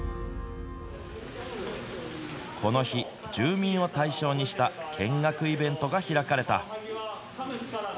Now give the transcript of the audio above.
この日、住民を対象にした見学イベントが開かれた。